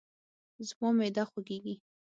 زما معده خوږیږي